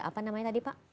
apa namanya tadi pak